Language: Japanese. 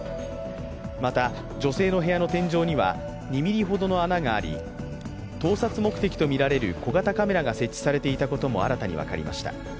また、女性の部屋の天井には２ｍｍほどの穴があり盗撮目的とみられる小型カメラが設置されていたことも新たに分かりました。